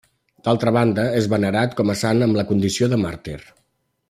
D'altra banda, és venerat com a sant amb la condició de màrtir.